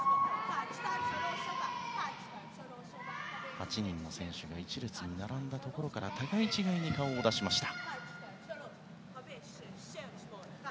８人の選手が一列に並んだところから互い違いに顔を出しました。